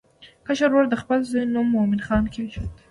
کشر ورور د خپل زوی نوم مومن خان کېښود.